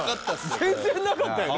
全然なかったよな。